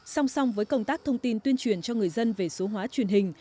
song song với công tác thông tin tuyên truyền cho người dân về số hóa truyền hình